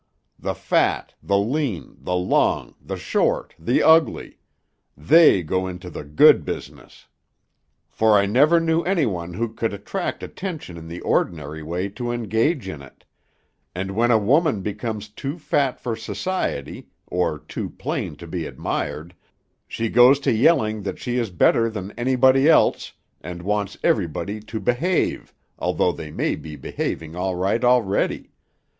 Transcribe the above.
The fat, the lean, the long, the short, the ugly; they go into the Good business, for I never knew anyone who could attract attention in the ordinary way to engage in it, and when a woman becomes too fat for society, or too plain to be admired, she goes to yelling that she is better than anybody else, and wants everybody to behave, although they may be behaving all right already.